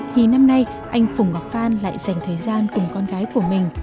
thì năm nay anh phùng ngọc phan lại dành thời gian cùng con gái của mình